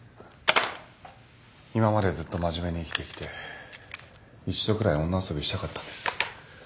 今までずっと真面目に生きてきて一度くらい女遊びしたかったんです。